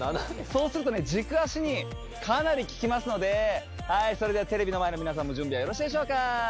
そうするとね軸足にかなり効きますのではいそれではテレビの前の皆さんも準備はよろしいでしょうか